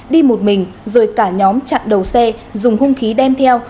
đi một mình rồi cả nhóm chặn đầu xe dùng hung khí đem theo